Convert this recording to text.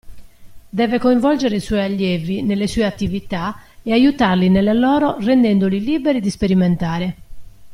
Deve coinvolgere i suoi allievi nelle sue attività ed aiutarli nelle loro rendendoli liberi di sperimentare.